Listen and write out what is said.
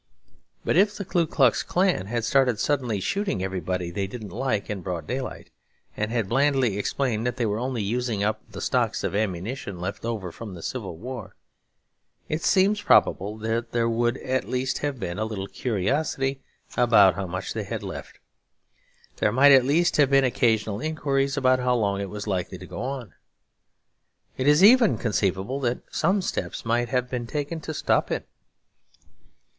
But if the Ku Klux Klan had started suddenly shooting everybody they didn't like in broad daylight, and had blandly explained that they were only using up the stocks of their ammunition, left over from the Civil War, it seems probable that there would at least have been a little curiosity about how much they had left. There might at least have been occasional inquiries about how long it was likely to go on. It is even conceivable that some steps might have been taken to stop it.